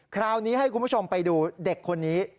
คราวนี้ให้คุณผู้ชมไปดูเด็กคนนี้